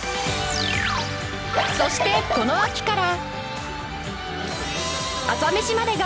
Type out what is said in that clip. そしてこの秋から